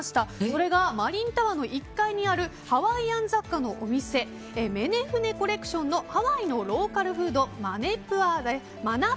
それがマリンタワーの１階にあるハワイアン雑貨のお店メネフネコレクションのハワイのローカルフードマナプアです。